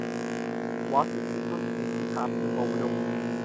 Watch স্টেশনটি একটি কাঠের ভবনে অবস্থিত।